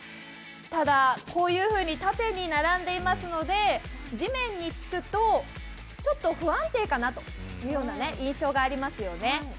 ただ、縦に並んでいますので、地面につくとちょっと不安定なのかなという印象がありますよね。